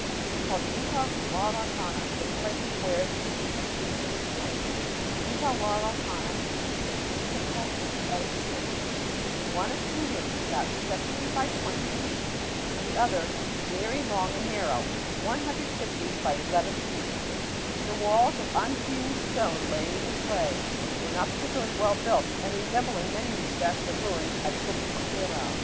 It is called Incahuaracana, "the place where the Inca shoots with a sling." Incahuaracana consists of two typical Inca edifices one of two rooms, about 70 by 20 feet, and the other, very long and narrow, 150 by 11 feet. The walls, of unhewn stone laid in clay, were not particularly well built and resemble in many respects the ruins at Choqquequirau.